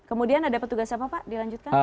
ada petugas siapa pak dilanjutkan